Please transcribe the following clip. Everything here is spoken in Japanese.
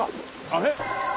あれ？